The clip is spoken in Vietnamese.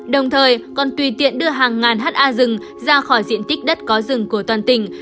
đồng thời còn tùy tiện đưa hàng ngàn ha rừng ra khỏi diện tích đất có rừng của toàn tỉnh